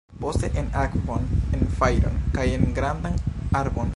Poste en akvon, en fajron kaj en grandan arbon.